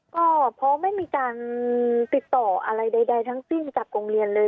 ก็เพราะไม่มีการติดต่ออะไรใดทั้งสิ้นจากโรงเรียนเลย